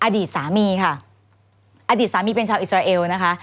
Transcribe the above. อดีตสามีค่ะอดีตสามีเป็นชาวอิสราเอลนะคะ